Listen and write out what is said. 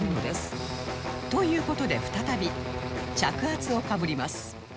という事で再び着圧をかぶります